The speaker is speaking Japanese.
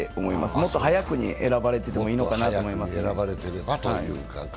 もっと早くに選ばれててもいいのかなと思いますね。